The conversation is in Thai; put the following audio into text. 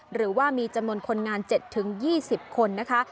หรือว่ามีจำนวนคนงาน๗๒๐คนนะคะ